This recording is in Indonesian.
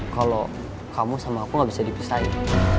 kalau kamu sama aku gak bisa dipisahin